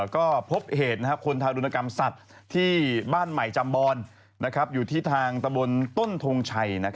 ก็พบเหตุคนทารุณกรรมสัตว์ที่บ้านใหม่จำบอนอยู่ที่ทางตะบนต้นทงชัย